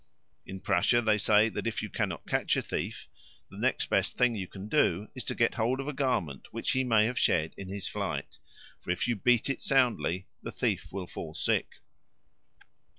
In Prussia they say that if you cannot catch a thief, the next best thing you can do is to get hold of a garment which he may have shed in his flight; for if you beat it soundly, the thief will fall sick.